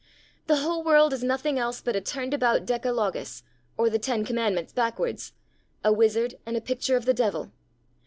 The whole world is nothing else but a turned about Decalogus, or the Ten Commandments backwards, a wizard, and a picture of the devil.